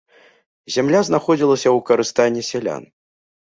Зямля знаходзілася ў карыстанні сялян.